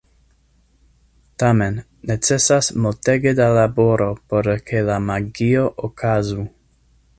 Tamen, necesas multege da laboro por ke la magio okazu.